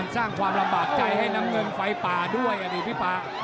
สร้างความลำบากใจให้น้ำเงินไฟป่าด้วยอดีตพี่ป่า